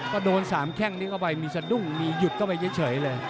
ก็โดน๓แข้งนี้เข้าไปมีสะดุ้งมีหยุดเข้าไปเฉยเลย